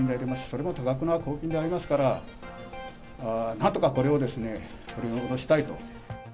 それも多額な公金でありますから、なんとかこれを取り戻したいと。